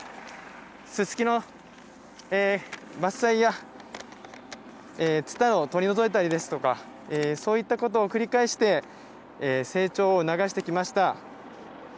ススキの伐採やツタを取り除いたりとかそういったことを繰り返して成長を促してきました。